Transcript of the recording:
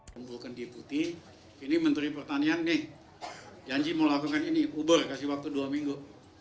kumpulkan deputi ini menteri pertanian nih janji mau lakukan ini uber kasih waktu dua minggu